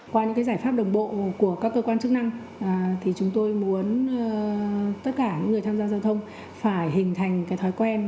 qua những giải pháp đồng bộ của các cơ quan chức năng chúng tôi muốn tất cả người tham gia giao thông phải hình thành thói quen